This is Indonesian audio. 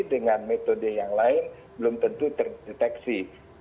dengan metode yang lain belum tentu terdeteksi